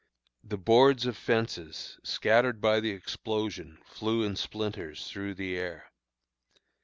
The boards of fences, scattered by explosion, flew in splinters through the air.